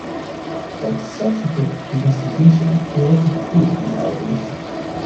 A subsequent investigation failed to prove these allegations.